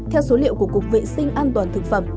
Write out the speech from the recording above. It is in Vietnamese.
theo số liệu của cục vệ sinh an toàn thực phẩm